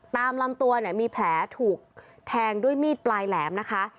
ตามลำตัวเนี่ยมีแผลถูกแทงด้วยมีดปลายแหลมนะคะ